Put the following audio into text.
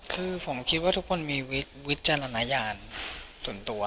คือผมคิดว่าทุกคนมีวิจารณญาณส่วนตัว